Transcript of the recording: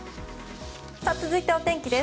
続いてお天気です。